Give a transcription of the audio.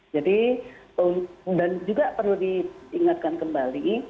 jadi dan juga perlu diingatkan kembali